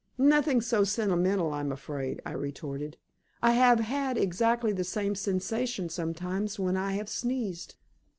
"Nothing so sentimental, I'm afraid," I retorted. "I have had exactly the same sensation sometimes when I have sneezed."